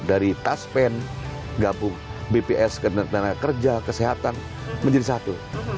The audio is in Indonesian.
dari taspen gabung bps tenaga kerja kesehatan menjadi satu